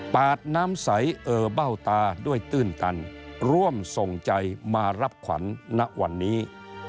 ปาดน้ำใสเออเบ้าตาด้วยตื้นตันร่วมส่งใจมารับขวัญณวันนี้